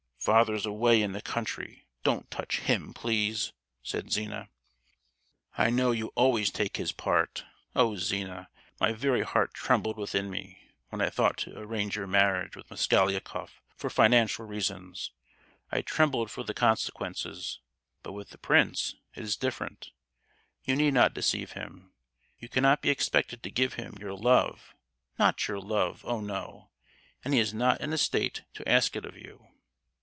——" "Father's away in the country, don't touch him, please!" said Zina. "I know you always take his part! Oh, Zina, my very heart trembled within me when I thought to arrange your marriage with Mosgliakoff for financial reasons! I trembled for the consequences. But with the prince it is different, you need not deceive him; you cannot be expected to give him your love, not your love—oh, no! and he is not in a state to ask it of you!"